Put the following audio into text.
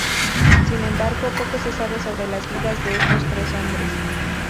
Sin embargo, poco se sabe sobre las vidas de estos tres hombres.